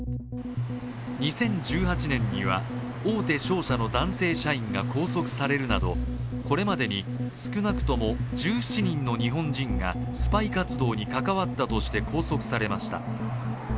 ２０１８年には、大手商社の男性社員が拘束されるなど、これまでに少なくとも１７人の日本人がスパイ活動に関わったとして拘束されました。